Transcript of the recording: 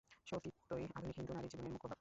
সতীত্বই আধুনিক হিন্দু নারীর জীবনের মুখ্য ভাব।